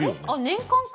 年間か。